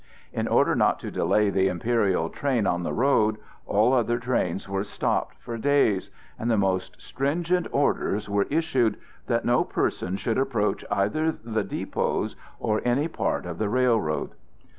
In order not to delay the imperial train on the road, all other trains were stopped for days, and the most stringent orders were issued that no persons should approach either the depots or any part of the railroad.